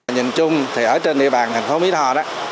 nhìn chung thì ở trên địa bàn thành phố mỹ tho đó